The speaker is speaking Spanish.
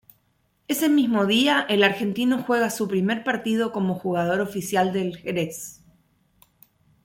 Ese mismo día, el argentino juega su primer partido como jugador oficial del Xerez.